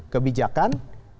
kebijakan kepemimpinan dan kebijakan